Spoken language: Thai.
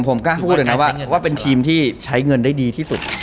ผมกล้าพูดเลยนะว่าเป็นทีมที่ใช้เงินได้ดีที่สุด